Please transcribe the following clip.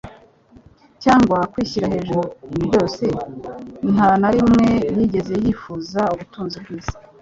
cyangwa kwishyira hejuru ryose, nta na rimwe yigeze yifuza ubuturuzi bw'isi.